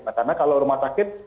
nah karena kalau rumah sakit